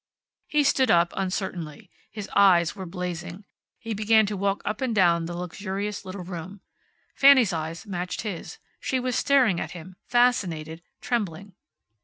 He stood up, uncertainly. His eyes were blazing. He began to walk up and down the luxurious little room. Fanny's eyes matched his. She was staring at him, fascinated, trembling.